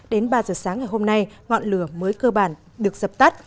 đến ba giờ sáng ngày hôm nay ngọn lửa mới cơ bản được dập tắt